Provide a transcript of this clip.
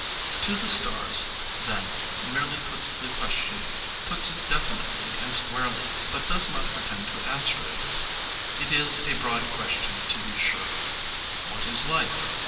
To the Stars, then, merely puts the question, puts it definitely and squarely, but does not pretend to answer it. It is a broad question, to be sure. What is life?